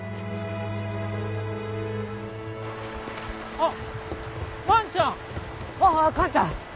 あっ万ちゃん！ああ寛ちゃん！